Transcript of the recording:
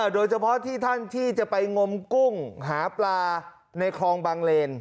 โดยเฉพาะที่ท่านที่จะไปงมกุ้งหาปลาในคลองบางเลน